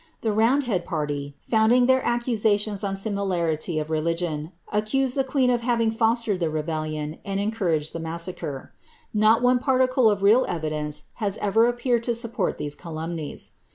The roundhead party, founding their accusations on similarity of religion, accused the queen of having fostered the rebellion and encouraged the massacre: not one particle of real evidence has ever appeared to support these calumnies.'